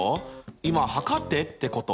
今測ってってこと。